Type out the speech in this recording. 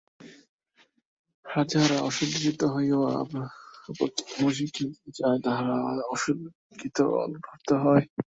আর যাহারা অশুদ্ধচিত্ত হইয়াও অপরকে ধর্মশিক্ষা দিতে যায়, তাহারা অসদ্গতি প্রাপ্ত হয়।